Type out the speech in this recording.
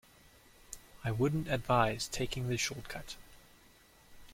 I wouldn't advise taking the shortcut